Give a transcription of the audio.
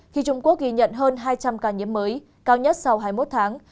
khi trung quốc ghi nhận hơn hai trăm linh ca nhiễm mới cao nhất sau hai mươi một tháng